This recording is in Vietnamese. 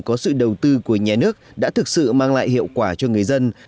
có sự đầu tư của nhà nước đã thực sự mang lại hiệu quả cho người dân